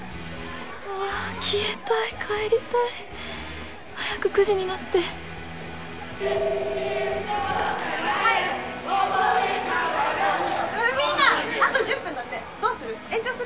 あ消えたい帰りたい早く９時になってはいみんなあと１０分だってどうする？